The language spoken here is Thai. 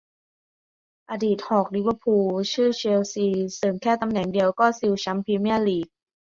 อดีตหอก ลิเวอร์พูล เชื่อ เชลซี เสริมแค่ตำแหน่งเดียวก็ซิวแชมป์ พรีเมียร์ลีก